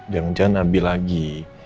jangan jangan abi lagi